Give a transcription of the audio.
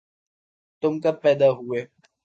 تم کب پیدا ہوئے